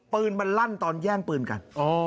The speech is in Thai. ปืนมันลั่นตอนแย่งปืนกัน